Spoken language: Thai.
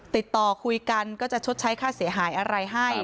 ติดต่อคุยกันก็จะชดใช้ค่าเสียหายอะไรให้